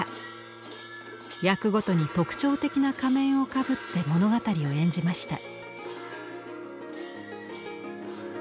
役ごとに特徴的な仮面をかぶって物語を演じました。